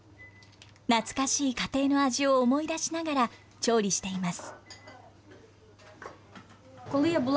懐かしい家庭の味を思い出しながら、調理しています。